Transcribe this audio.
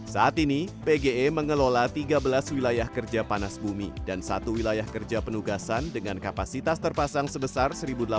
saat ini pge mengelola tiga belas wilayah kerja panas bumi dan satu wilayah kerja penugasan dengan kapasitas terpasang sebesar satu delapan ratus